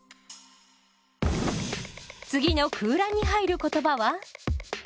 次の空欄に入る言葉は？